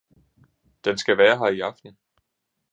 den skal være her i aften!